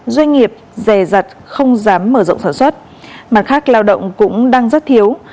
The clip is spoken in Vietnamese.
dọn sản xuất mặt khác lao động cũng đang rất thiếu